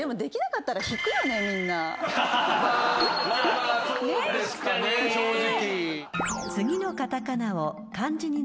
まあそうですかね正直。